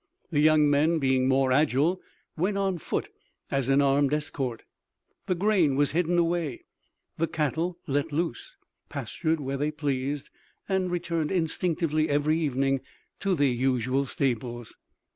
The young men, being more agile, went on foot as an armed escort. The grain was hidden away; the cattle, let loose, pastured where they pleased and returned instinctively every evening to their usual stables.